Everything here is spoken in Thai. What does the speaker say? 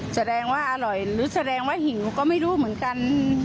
แสดงว่าอร่อยหรือแสดงว่าหิวก็ไม่รู้เหมือนกัน